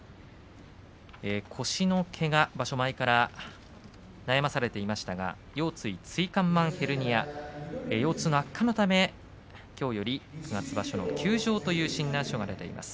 腰のけが、場所前から悩まされていましたが腰椎椎間板ヘルニア腰痛の悪化のためきょうより休場という診断書が出ています。